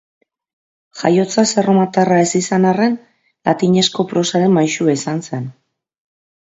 Jaiotzaz erromatarra ez izan arren, latinezko prosaren maisua izan zen.